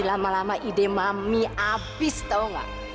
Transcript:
lama lama ide mami abis tau nggak